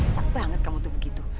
enak banget kamu tuh begitu